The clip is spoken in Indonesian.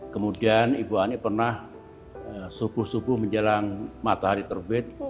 kemudian ibu ani pernah subuh subuh menjelang matahari terbit